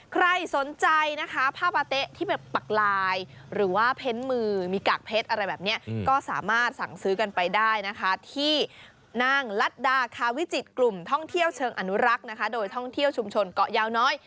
ใครสนใจนะคะผ้าปาเต๊ะที่เป็นปักลายหรือว่าเพ้นมือมีกากเพชรอะไรแบบนี้ก็สามารถสั่งซื้อกันไปได้นะคะที่นางลัดดาคาวิจิตกลุ่มท่องเที่ยวเชิงอนุรักษ์นะคะโดยท่องเที่ยวชุมชนเกาะยาวน้อย